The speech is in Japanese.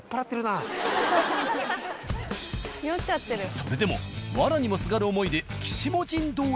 それでもわらにもすがる思いで子母神堂へ。